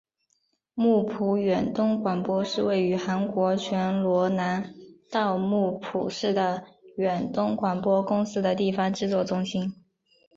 木浦远东广播是位于韩国全罗南道木浦市的远东广播公司的地方制作中心。